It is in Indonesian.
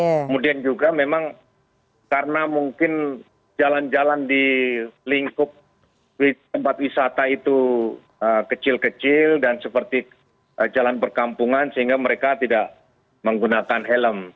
kemudian juga memang karena mungkin jalan jalan di lingkup tempat wisata itu kecil kecil dan seperti jalan perkampungan sehingga mereka tidak menggunakan helm